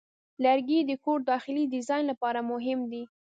لرګی د کور داخلي ډیزاین لپاره مهم دی.